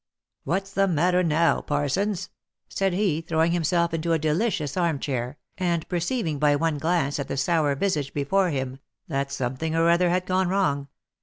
"What's the matter now, Parsons ?" said he, throwing himself into a delicious arm chair, and perceiving by one glance at the sour visage before him, that something or other had gone wrong.